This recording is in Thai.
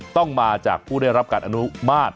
ต้องมาจากผู้ได้รับการอนุมาตร